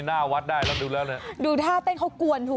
หน้าวัดได้นะดูแล้วนะ